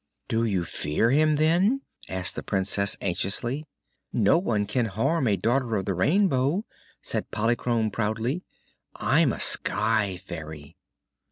"Do you fear him, then?" asked the Princess, anxiously. "No one can harm a Daughter of the Rainbow," said Polychrome proudly. "I'm a sky fairy."